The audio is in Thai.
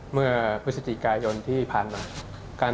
เมื่อผู้ชิดสิติกายยนต์ที่ผ่านกลาง